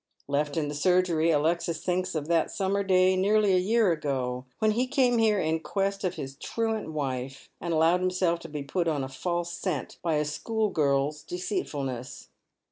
Left in the surgery, Alexis thinks of that summer day, nearly a j'ear ago, when he came here in quest of his truant wife, and allowed himself to be put on a false scent by a schoolgirl'a deceitfulness.